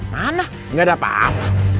mana nggak ada apa apa